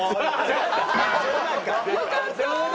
よかったー！